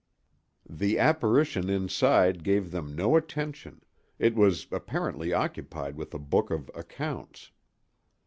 The apparition inside gave them no attention; it was apparently occupied with a book of accounts.